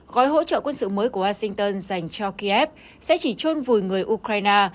gói hỗ trợ quân sự mới của washington dành cho kiev sẽ chỉ trôn vùi người ukraine